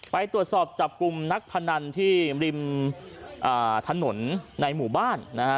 ไปตรวจสอบจับกลุ่มนักพนันที่ริมถนนในหมู่บ้านนะฮะ